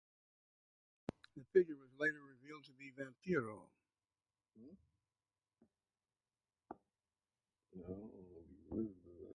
The figure was later revealed to be Vampiro.